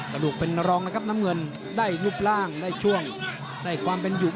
กระดูกเป็นรองนะครับน้ำเงินได้รูปร่างได้ช่วงได้ความเป็นอยู่